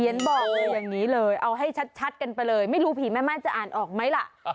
เขียนบอกอย่างนี้เลยเอาให้ชัดกันไปเลยไม่รู้ผีแม่ไม่จะอ่านออกมั้ยละ